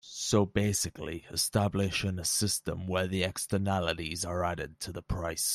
So basically establishing a system where the externalities are added to the price.